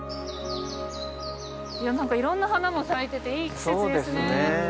なんか色んな花も咲いてていい季節ですね。